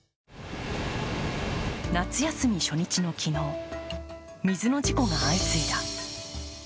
夏休み初日の昨日水の事故が相次いだ。